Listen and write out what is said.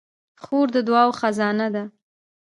خور د دعاوو خزانه ده.